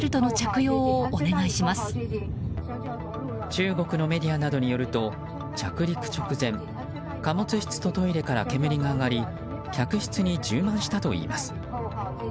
中国のメディアなどによると着陸直前貨物室とトイレから煙が上がり客室に充満したといいます。